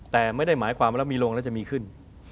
แต่ไม่ได้หมายความว่าเรามีลงแล้วจะมีขึ้น